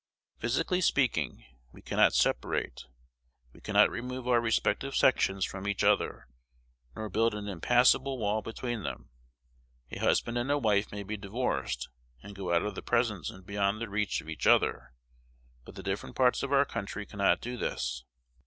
Physically speaking, we cannot separate: we cannot remove our respective sections from each other, nor build an impassable wall between them. A husband and wife may be divorced, and go out of the presence and beyond the reach of each other; but the different parts of our country cannot do this.